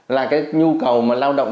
là cái nhu cầu mà lao động